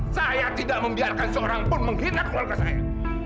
saya tidak membiarkan seorang pun menghina keluarga saya